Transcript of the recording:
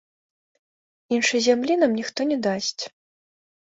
Іншай зямлі нам ніхто не дасць.